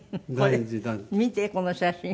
見てこの写真。